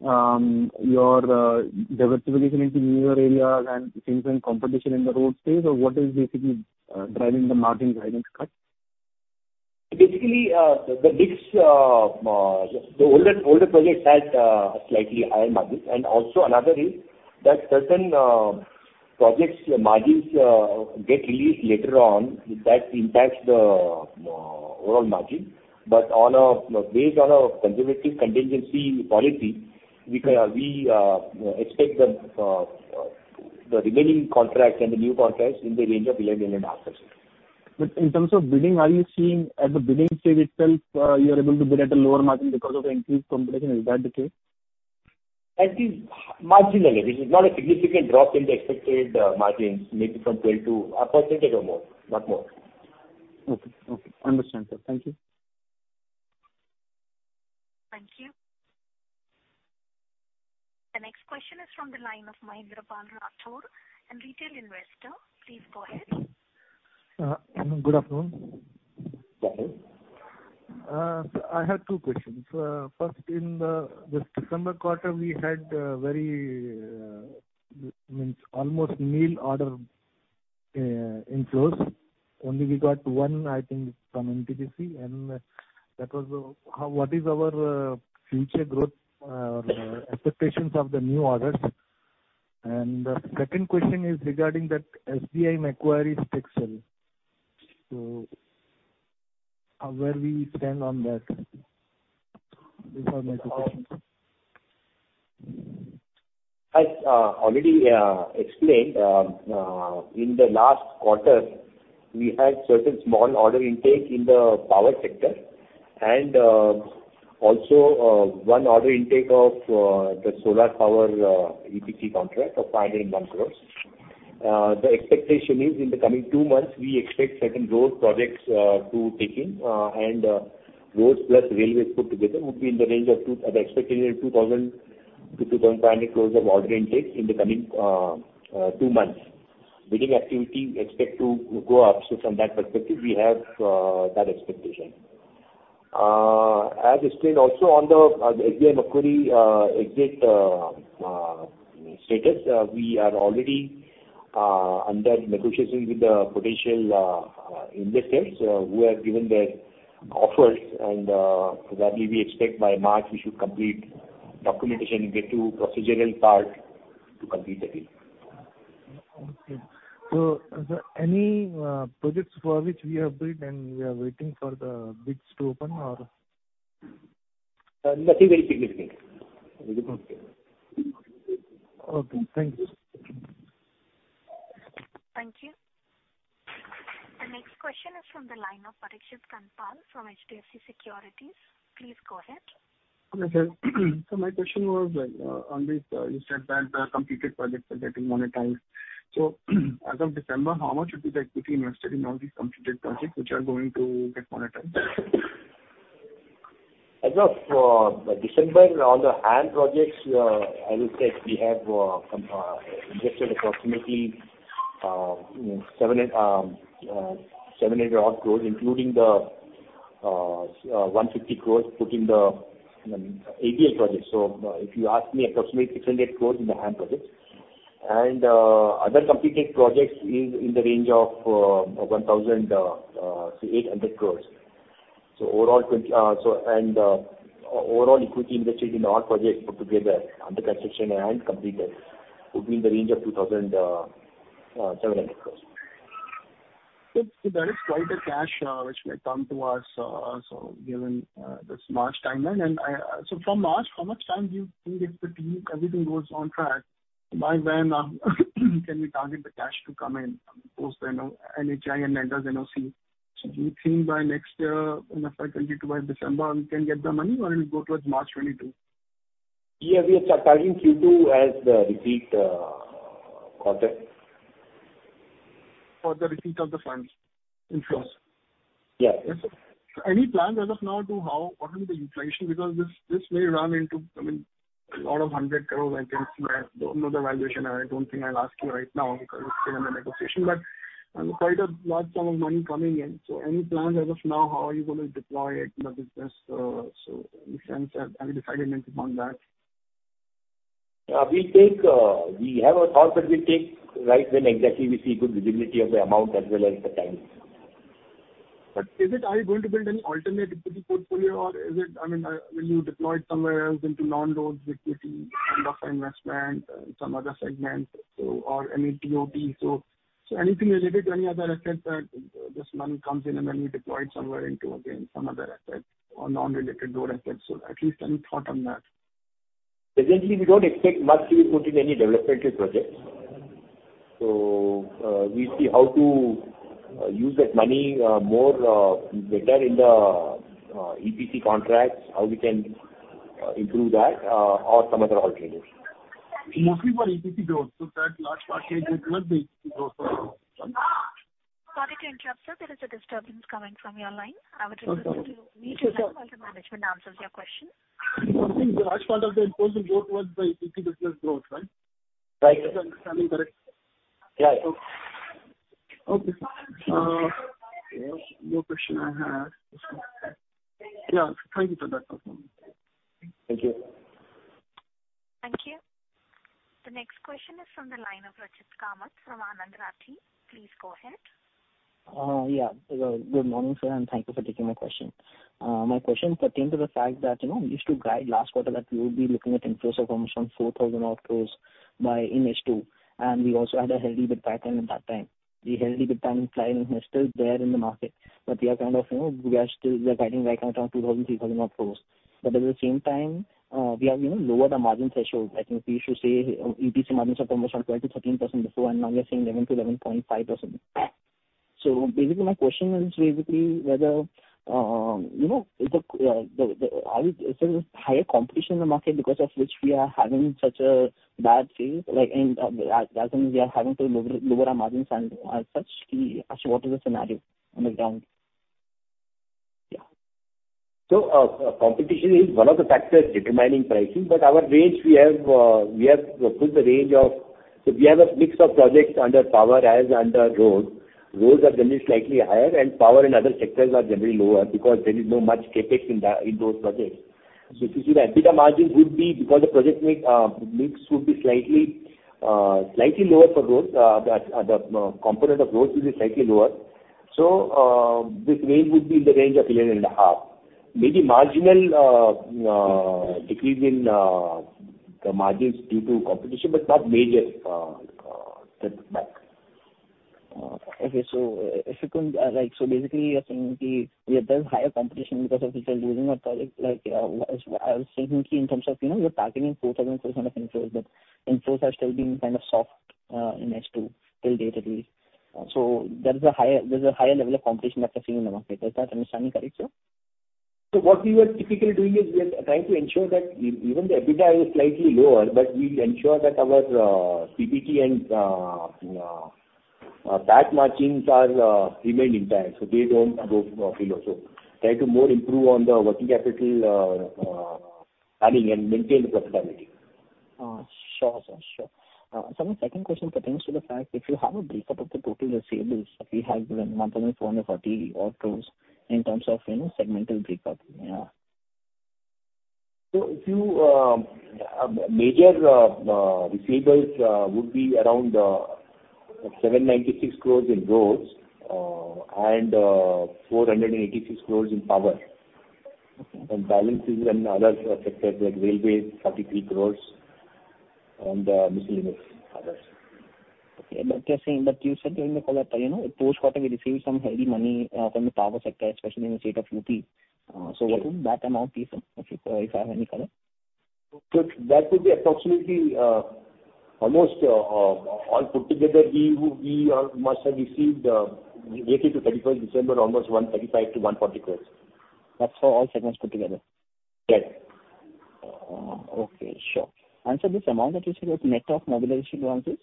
Speaker 12: your diversification into newer areas and increasing competition in the road space, or what is basically driving the margin guidance cut?
Speaker 4: Basically, the mix, the older, older projects had slightly higher margins. Also another is that certain projects' margins get released later on. That impacts the overall margin. But on a based on a conservative contingency policy, we can we expect the the remaining contracts and the new contracts in the range of 11%-11.5%.
Speaker 12: In terms of bidding, are you seeing at the bidding stage itself, you are able to bid at a lower margin because of increased competition? Is that the case?
Speaker 4: I think marginally. This is not a significant drop in the expected margins, maybe from 12 to 0.5% or more, but more.
Speaker 12: Okay. Okay. Understand, sir. Thank you.
Speaker 1: Thank you. The next question is from the line of Mahendrapal Rathore an Retail Investor. Please go ahead.
Speaker 13: Good afternoon.
Speaker 4: Good afternoon.
Speaker 13: So I have two questions. First, in this December quarter, we had very, I mean, almost nil order inflows. Only we got one, I think, from NTPC, and that was, how, what is our future growth expectations of the new orders? And the second question is regarding that SBI Macquarie's exit. So where we stand on that? These are my two questions.
Speaker 4: I already explained in the last quarter, we had certain small order intake in the power sector, and also one order intake of the solar power EPC contract of 501 crores. The expectation is in the coming two months, we expect certain road projects to take in, and roads plus railways put together would be in the range of 2,000-2,500 crores of order intake in the coming two months. Bidding activity, we expect to go up, so from that perspective, we have that expectation. As explained also on the SBI Macquarie exit status, we are already under negotiations with the potential investors who have given their offers. Probably we expect by March, we should complete documentation and get to procedural part to complete the deal.
Speaker 13: Okay. So is there any projects for which we have bid, and we are waiting for the bids to open or?
Speaker 4: Nothing very significant.
Speaker 13: Okay. Thank you.
Speaker 1: Thank you. The next question is from the line of Parikshit Kanpal from HDFC Securities. Please go ahead.
Speaker 6: Okay, sir. So my question was, on this, you said that the completed projects are getting monetized. So as of December, how much would be the equity invested in all these completed projects which are going to get monetized?
Speaker 4: As of December, all the HAM projects, I would say we have invested approximately, you know, 78 odd crores, including the 150 crores put in the HAM project. So, if you ask me, approximately 600 crores in the HAM projects. And, other completed projects is in the range of 800-1,000 crores. So overall, 2,000 odd crores and overall equity invested in all projects put together, under construction and completed, would be in the range of 2,700 crores.
Speaker 6: Good. So that is quite a cash, which may come to us, so given this March timeline. And I, so from March, how much time do you think it could be, if everything goes on track, by when can we target the cash to come in post the NHAI and lenders' NOC? So do you think by next year, if I continue to by December, we can get the money, or it will go towards March 2022?
Speaker 4: Yeah, we are targeting Q2 as the receipt of that.
Speaker 6: For the receipt of the funds inflows?
Speaker 4: Yeah.
Speaker 6: Yes, sir. So any plan as of now to how, what will be the inflation? Because this, this may run into, I mean, a lot of hundred crores against my, I don't know the valuation, and I don't think I'll ask you right now because it's still under negotiation. But, quite a large sum of money coming in. So any plans as of now, how are you going to deploy it in the business? So any sense, have you decided anything on that?
Speaker 4: We take, we have a thought that we take right when exactly we see good visibility of the amount as well as the time.
Speaker 6: But is it, are you going to build any alternate equity portfolio, or is it, I mean, will you deploy it somewhere else into non-roads equity, kind of investment, some other segment, so, or any TOT? So, so anything related to any other assets that this money comes in, and then we deploy it somewhere into, again, some other asset or non-related road assets. So at least any thought on that?
Speaker 4: Presently, we don't expect much to be put in any developmental projects. So, we see how to use that money more better in the EPC contracts, how we can improve that or some other alternatives.
Speaker 6: Mostly for EPC growth, so that large part will be EPC growth?
Speaker 1: Sorry to interrupt, sir. There is a disturbance coming from your line.
Speaker 6: Okay.
Speaker 1: I would request you to mute until the management answers your question.
Speaker 6: I think the large part of the impressive growth was the EPC business growth, right?
Speaker 4: Right.
Speaker 6: If I'm understanding correct?
Speaker 4: Yeah.
Speaker 6: Okay. No more question I have. Yeah, thank you for that.
Speaker 4: Thank you.
Speaker 1: Thank you. The next question is from the line of Rachit Kamat from Anand Rathi. Please go ahead.
Speaker 14: Good morning, sir, and thank you for taking my question. My question pertain to the fact that, you know, you used to guide last quarter that we would be looking at inflows of almost 4,000 odd crore INR by in H2, and we also had a healthy bid pipeline at that time. The healthy bid pipeline is still there in the market, but we are kind of, you know, still guiding right now around 2,000-3,000 odd crore INR. But at the same time, we have, you know, lowered the margin threshold. I think we should say EPC margins are from 12%-13% before, and now we are saying 11%-11.5%. So basically, my question is basically whether, you know, is there higher competition in the market because of which we are having such a bad phase? Like, and as in we are having to lower our margins and as such, actually, what is the scenario on the ground? Yeah.
Speaker 4: Competition is one of the factors determining pricing, but our range, we have put the range of. So we have a mix of projects under power as under road. Roads are generally slightly higher, and power and other sectors are generally lower because there is not much CapEx in those projects. So if you see the EBITDA margin would be, because the project mix would be slightly lower for roads, the component of roads will be slightly lower. So, this range would be in the range of 11.5%. Maybe marginal decrease in the margins due to competition, but not major back.
Speaker 14: Okay. So if you could, like, so basically, you're saying there's higher competition because of which we're losing our project. Like, I was thinking in terms of, you know, you're targeting 4,000 crore of inflows, but inflows are still being kind of soft, in H2 till date at least. So there's a higher, there's a higher level of competition that you're seeing in the market. Is that understanding correct, sir?
Speaker 4: So what we are typically doing is we are trying to ensure that even the EBITDA is slightly lower, but we ensure that our PBT and PAT margins remain intact, so they don't go below. So try to more improve on the working capital planning and maintain the profitability.
Speaker 14: Sure, sir, sure. So my second question pertains to the fact if you have a breakup of the total receivables that we have, around 1,440 odd crore in terms of, you know, segmental breakup. Yeah.
Speaker 4: So if you major receivables would be around 796 crores in roads, and 486 crores in power.
Speaker 14: Okay.
Speaker 4: And balances in other sectors, like railway, 43 crore, and miscellaneous others.
Speaker 14: Okay. But just saying, but you said during the call that, you know, post quarter we received some heavy money from the power sector, especially in the state of UP. So what would that amount be, sir, if you, if I have any correct?
Speaker 4: So that would be approximately almost all put together, we must have received related to 31st December, almost 135-140 crores.
Speaker 14: That's for all segments put together?
Speaker 4: Right.
Speaker 14: Okay, sure. Sir, this amount that you said was net of mobilization advances?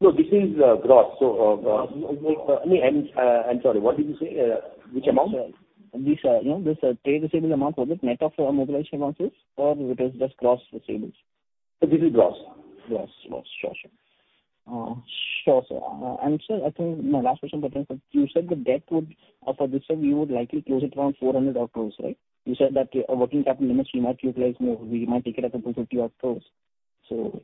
Speaker 4: No, this is gross. So, I mean, I'm sorry, what did you say? Which amount?
Speaker 14: These are, you know, this, trade receivable amount, was it net of mobilization advances or it is just gross receivables?
Speaker 4: This is gross.
Speaker 14: Gross. Gross. Sure, sure. And sir, I think my last question pertains that you said the debt would, for this term, you would likely close it around 400 odd crores, right? You said that, working capital limits you might utilize more, we might take it up to 50 odd crores. So-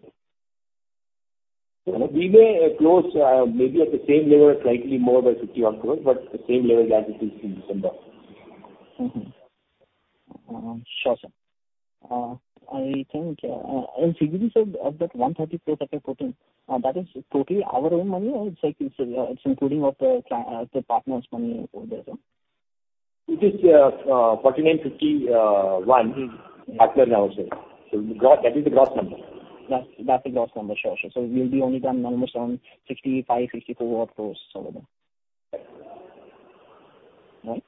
Speaker 4: We may close, maybe at the same level or slightly more by 50 odd crores, but the same level as it is in December.
Speaker 14: Mm-hmm. Sure, sir. I think, as you said, of that 134% total, that is totally our own money or it's like, it's including the partners' money over there, sir?
Speaker 4: It is 49,50,1, that was also. So gross, that is the gross number.
Speaker 14: That's the gross number. Sure. So we will be only done numbers around INR 65, 64-odd crores, sort of them.
Speaker 4: Right.
Speaker 14: Right?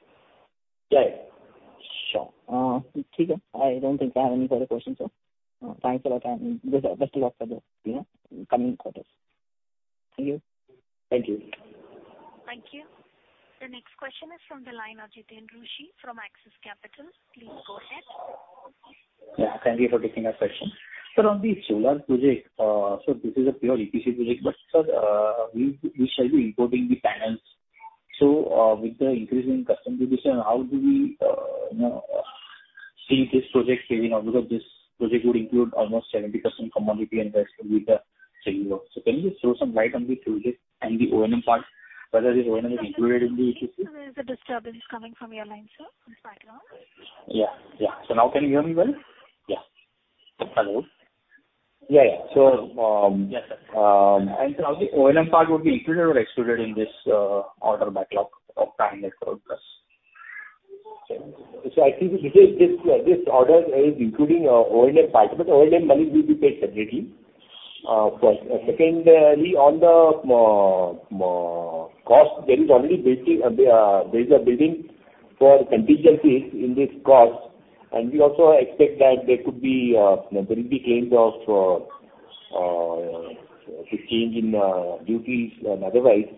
Speaker 4: Yeah.
Speaker 14: Sure. I don't think I have any further questions, so, thanks a lot, and best of luck for the, you know, coming quarters. Thank you.
Speaker 4: Thank you.
Speaker 1: Thank you. The next question is from the line of Jiten Rushi from Axis Capital. Please go ahead.
Speaker 9: Yeah, thank you for taking our question. Sir, on the solar project, so this is a pure EPC project, but sir, we, we shall be importing the panels. So, with the increase in customs duty, sir, how do we, you know, see this project carrying out because this project would include almost 70% commodity and the rest will be the same work. So can you just throw some light on the project and the O&M part, whether the O&M is included in the EPC?
Speaker 1: There is a disturbance coming from your line, sir. Please back it up.
Speaker 9: Yeah, yeah. So now can you hear me well?
Speaker 4: Yeah.
Speaker 9: Hello? Yeah, yeah. So,
Speaker 4: Yes, sir.
Speaker 9: How the O&M part would be included or excluded in this order backlog of panel net plus?
Speaker 4: So I think this order is including O&M part, but the O&M money will be paid separately. First, secondly, on the cost, there is a building for contingencies in this cost, and we also expect that there will be claims of 15% in duties and otherwise.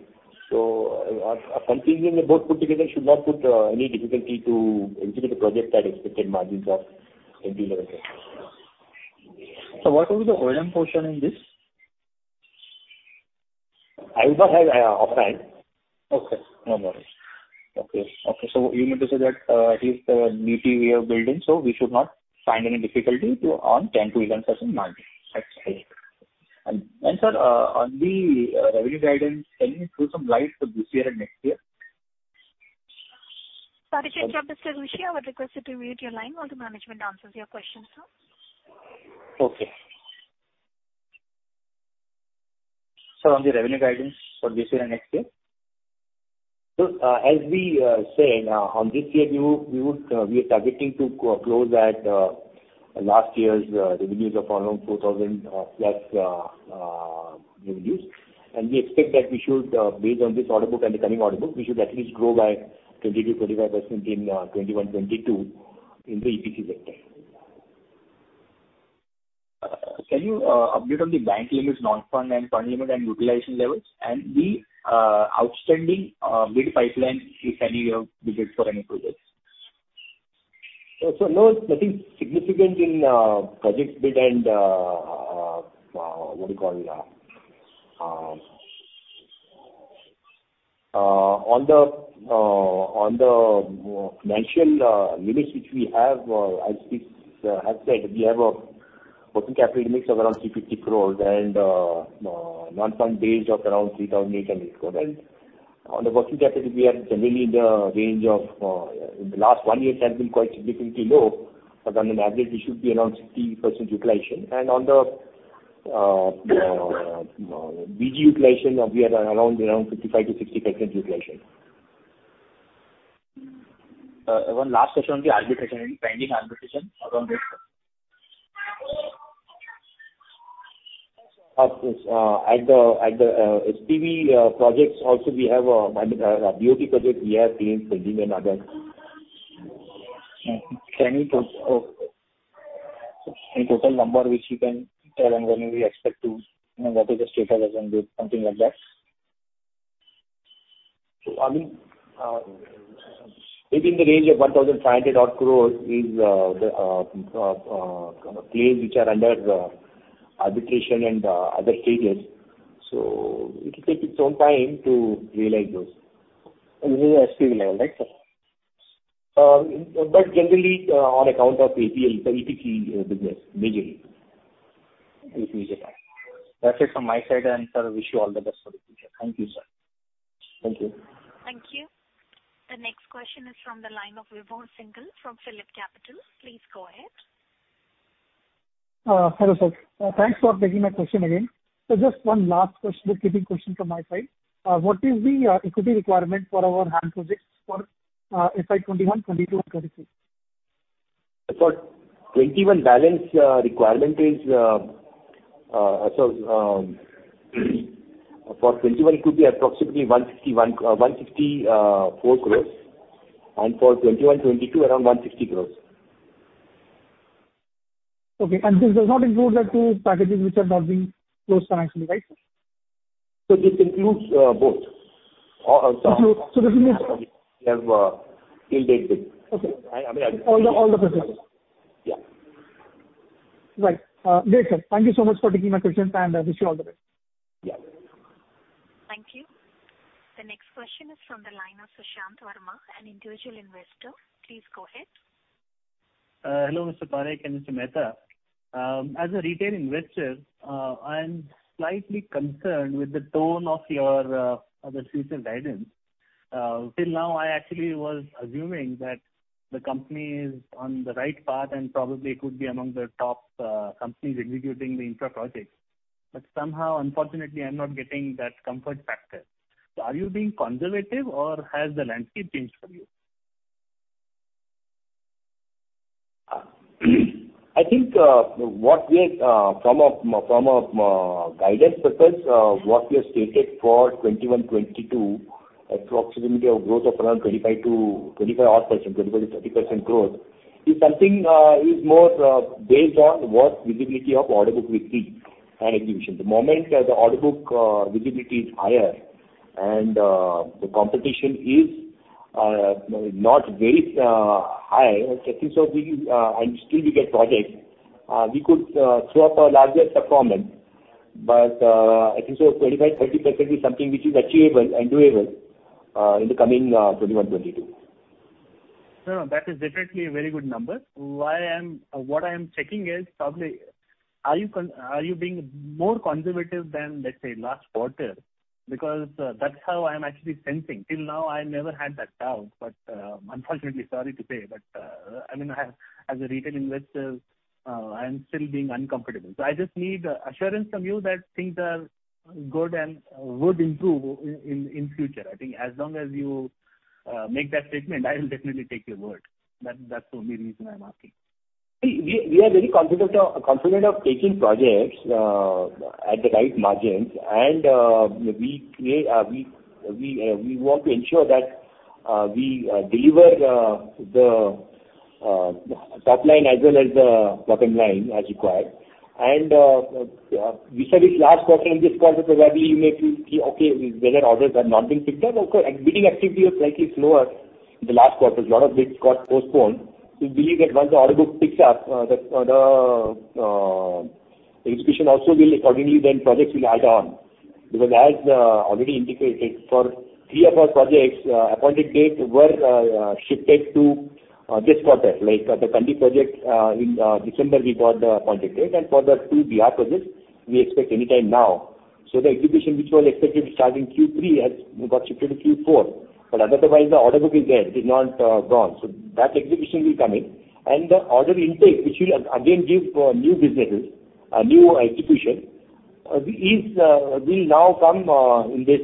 Speaker 4: So our contingencies, both put together, should not put any difficulty to execute the project at expected margins of 20% level.
Speaker 9: So what will be the O&M portion in this?
Speaker 4: I will not have offhand.
Speaker 9: Okay, no worries. Okay, so you mean to say that, at least the duty we have built in, so we should not find any difficulty to on 10%-11% margin? That's right. And, sir, on the revenue guidance, can you throw some light for this year and next year?
Speaker 1: Sorry to interrupt, Mr. Rushi. I would request you to mute your line while the management answers your question, sir.
Speaker 9: Okay. Sir, on the revenue guidance for this year and next year?
Speaker 4: As we saying, on this year, we are targeting to close at last year's revenues of around 4,000+ revenues. We expect that we should, based on this order book and the coming order book, at least grow by 20%-25% in 2021-2022 in the EPC sector.
Speaker 9: Can you update on the bank limits, non-fund and fund limit and utilization levels, and the outstanding bid pipeline, if any, you bid for any projects?
Speaker 4: So, no, nothing significant in project bid and what do you call it? On the financial limits which we have, as we have said, we have a working capital limits of around 350 crores and non-fund based of around 3,800 crores. And on the working capital, we are generally in the range of, in the last one year has been quite significantly low, but on an average, it should be around 60% utilization. And on the BG utilization, we are around 55%-60% utilization.
Speaker 9: One last question on the arbitration, any pending arbitration around this?
Speaker 4: Of course. At the SPV projects, also we have, I mean, BOT project, we have claims pending in other.
Speaker 9: Can you tell any total number which you can tell and when we expect to, you know, what is the status as in date, something like that?
Speaker 4: So I mean, within the range of 1,500 odd crores is the claims which are under arbitration and other stages. So it will take its own time to realize those. And these are still alive, right, sir? But generally, on account of ACL, the EPC business, majorly, if we look at that. That's it from my side, and sir, wish you all the best for the future. Thank you, sir. Thank you.
Speaker 1: Thank you. The next question is from the line of Vibhor Singhal from PhillipCapital. Please go ahead.
Speaker 7: Hello, sir. Thanks for taking my question again. So just one last question, keeping question from my side. What is the equity requirement for our HAM projects for FY 2021, 2022 and 2023?
Speaker 4: For 2021 balance requirement is, for 2021, it could be approximately 161-164 crores, and for 2021-2022, around 160 crores.
Speaker 7: Okay, and this does not include the two packages which are not being closed financially, right?
Speaker 4: So this includes both.
Speaker 7: Includes, so this includes-
Speaker 4: We have deal date with.
Speaker 7: Okay.
Speaker 4: I mean-
Speaker 7: All the projects?
Speaker 4: Yeah.
Speaker 7: Right. Great, sir. Thank you so much for taking my questions, and I wish you all the best.
Speaker 4: Yeah.
Speaker 1: Thank you. The next question is from the line of Sushant Verma, an Individual Investor. Please go ahead.
Speaker 15: Hello, Mr. Parakh and Mr. Mehta. As a retail investor, I am slightly concerned with the tone of your the future guidance. Till now, I actually was assuming that the company is on the right path and probably could be among the top companies executing the infra projects. But somehow, unfortunately, I'm not getting that comfort factor. So are you being conservative or has the landscape changed for you?
Speaker 4: I think what we from a guidance purpose what we have stated for 2021, 2022, approximately a growth of around 25%-25% odd, 25%-30% growth, is something is more based on what visibility of order book we see and execution. The moment the order book visibility is higher and the competition is not very high, I think so we and still we get projects we could show up a larger performance. But I think so 25%-30% is something which is achievable and doable in the coming 2021, 2022.
Speaker 15: No, that is definitely a very good number. What I am checking is probably, are you being more conservative than, let's say, last quarter? Because, that's how I'm actually sensing. Till now, I never had that doubt, but, unfortunately, sorry to say, but, I mean, I, as a retail investor, I'm still being uncomfortable. So I just need assurance from you that things are good and would improve in future. I think as long as you make that statement, I will definitely take your word. That, that's the only reason I'm asking.
Speaker 4: We are very confident of taking projects at the right margins, and we want to ensure that we deliver the top line as well as the bottom line, as required. And we said this last quarter, in this quarter, probably you may feel, okay, whether orders are not being picked up. Of course, bidding activity was slightly slower in the last quarter. A lot of bids got postponed. We believe that once the order book picks up, the execution also will accordingly, then projects will add on. Because as already indicated, for three of our projects, appointed date were shifted to this quarter, like the Kandi project, in December, we got the appointed date. And for the two Bihar projects, we expect any time now. So the execution, which was expected to start in Q3, has got shifted to Q4. But otherwise, the order book is there, it is not gone. So that execution will come in. And the order intake, which will again give new businesses, a new execution, will now come in this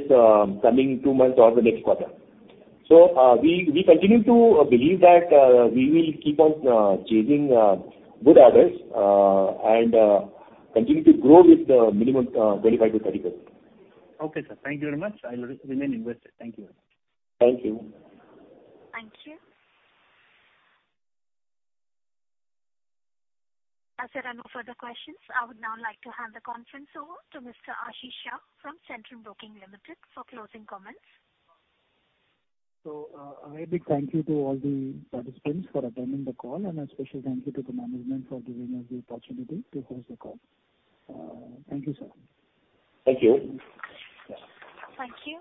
Speaker 4: coming two months or the next quarter. So we continue to believe that we will keep on chasing good orders and continue to grow with the minimum 25%-30%.
Speaker 15: Okay, sir. Thank you very much. I will remain invested. Thank you.
Speaker 4: Thank you.
Speaker 1: Thank you. As there are no further questions, I would now like to hand the conference over to Mr. Ashish Shah from Centrum Broking Limited for closing comments.
Speaker 2: A very big thank you to all the participants for attending the call, and a special thank you to the management for giving us the opportunity to host the call. Thank you, sir.
Speaker 4: Thank you.
Speaker 1: Thank you.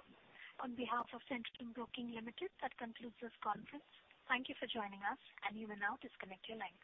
Speaker 1: On behalf of Centrum Broking Limited, that concludes this conference. Thank you for joining us, and you may now disconnect your lines.